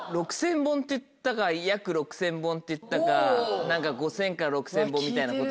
６０００本って言ったか約６０００本って言ったか何か５０００から６０００本みたいなことだったか。